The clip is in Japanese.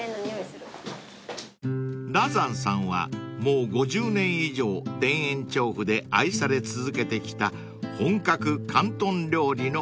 ［羅山さんはもう５０年以上田園調布で愛され続けてきた本格広東料理のお店］